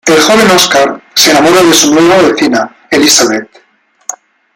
El joven Oscar se enamora de su nueva vecina, Elizabeth.